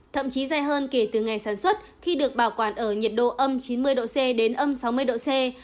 thậm chí dài hơn kể từ ngày sản xuất khi được bảo quản ở nhiệt độ âm chín mươi độ c đến âm sáu mươi độ c